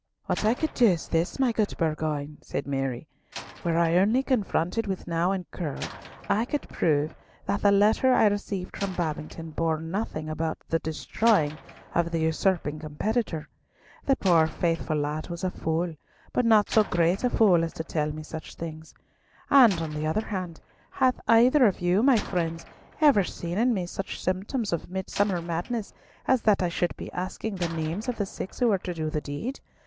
"What I could do is this, my good Bourgoin," said Mary; "were I only confronted with Nau and Curll, I could prove that the letter I received from Babington bore nothing about the destroying the usurping competitor. The poor faithful lad was a fool, but not so great a fool as to tell me such things. And, on the other hand, hath either of you, my friends, ever seen in me such symptoms of midsummer madness as that I should be asking the names of the six who were to do the deed?